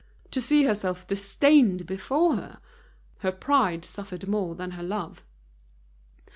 To see herself disdained before her! Her pride suffered more than her love.